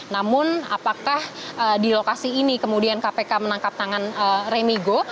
namun apakah di lokasi ini kemudian kpk menangkap tangan remigo